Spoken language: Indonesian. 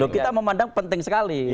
kita memandang penting sekali